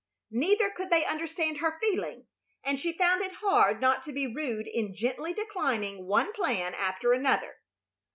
Neither could they understand her feeling, and she found it hard not to be rude in gently declining one plan after another.